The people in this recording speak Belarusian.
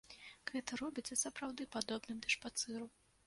Гэта робіцца сапраўды падобным да шпацыру!